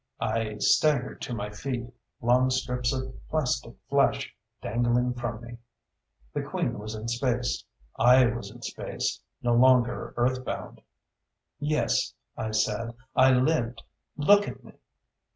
I staggered to my feet, long strips of plastic flesh dangling from me. The Queen was in space. I was in space, no longer Earthbound. "Yes," I said, "I lived! Look at me!"